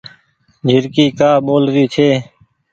جهرڪي ڪآ ٻول رهي ڇي۔